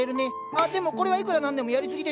あっでもこれはいくらなんでもやりすぎでしょ？